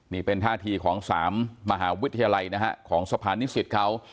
นี่เป็นท่าทีของ๓มหาวิทยาลัยนะฮะของสะพานนิสิตเขา